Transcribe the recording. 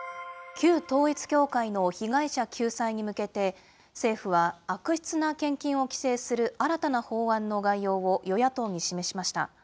旧統一教会の被害者救済に向けて、政府は悪質な献金を規制する新たな法案の概要を与野党に示しました。